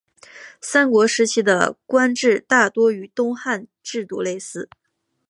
三国时期的官制大多与东汉制度类似。